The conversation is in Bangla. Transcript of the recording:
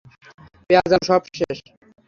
পেঁয়াজ, আলু সব শেষ।